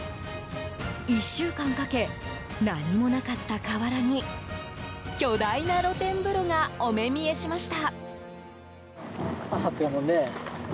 １週間かけ、何もなかった河原に巨大な露天風呂がお目見えしました。